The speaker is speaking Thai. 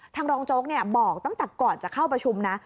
รองโจ๊กบอกตั้งแต่ก่อนจะเข้าประชุมนะ